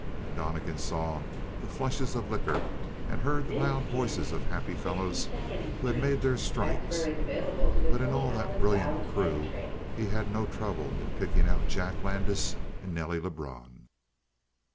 And Donnegan saw the flushes of liquor, and heard the loud voices of happy fellows who had made their "strikes"; but in all that brilliant crew he had no trouble in picking out Jack Landis and Nelly Lebrun.